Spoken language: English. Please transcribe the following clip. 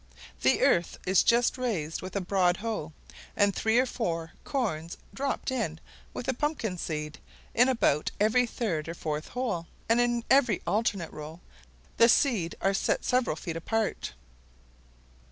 The earth is just raised with a broad hoe, and three or four corns dropped in with a pumpkin seed, in about every third or fourth hole, and in every alternate row; the seed are set several feet apart.